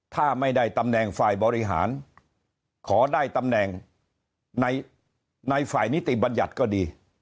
ถ้าไม่ได้ตำแหน่งฝ่ายบริหารขอได้ตำแหน่งในฝ่ายนิติบัญญัติก็ดี